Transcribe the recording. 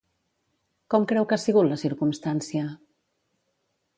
Com creu que ha sigut la circumstància?